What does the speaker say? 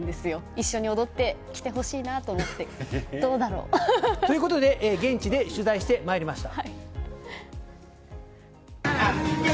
一緒に踊ってきてほしいなと思ってどうだろう？ということで、現地で取材してまいりました。